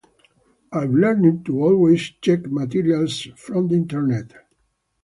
I’ve learned to always check materials from the internet.